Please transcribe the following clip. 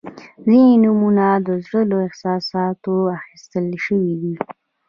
• ځینې نومونه د زړه له احساساتو اخیستل شوي دي.